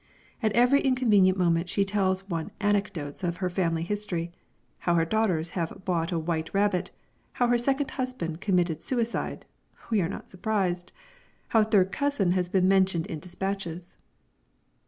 At every inconvenient moment she tells one anecdotes of her family history how her daughters have bought a white rabbit, how her second husband committed suicide (we are not surprised!), how a third cousin has been mentioned in dispatches.